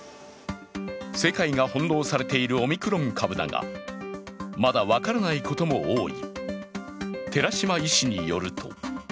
世界が翻弄されているオミクロン株だが、まだ分からないことも多い。